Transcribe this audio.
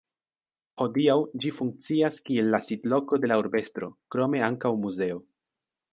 Hodiaŭ, ĝi funkcias kiel la sidloko de la urbestro, krome ankaŭ muzeo.